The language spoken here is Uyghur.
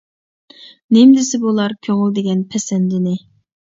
نېمە دېسە بولار كۆڭۈل دېگەن پەسەندىنى.